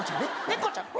猫ちゃん？